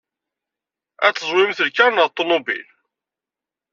Ad teẓwimet lkaṛ neɣ tunobil?